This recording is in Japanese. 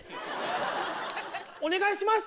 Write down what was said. お願いします！